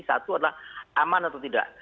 satu adalah aman atau tidak